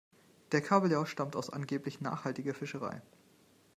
Der Kabeljau stammt aus angeblich nachhaltiger Fischerei.